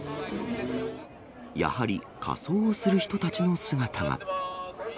やはり、仮装をする人たちの姿が。